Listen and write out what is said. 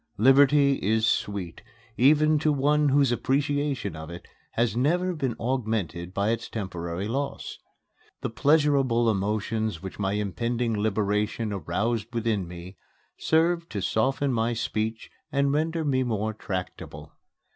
Liberty is sweet, even to one whose appreciation of it has never been augmented by its temporary loss. The pleasurable emotions which my impending liberation aroused within me served to soften my speech and render me more tractable.